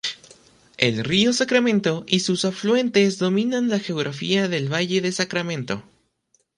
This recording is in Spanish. El Río Sacramento y sus afluentes dominan la geografía del valle de Sacramento.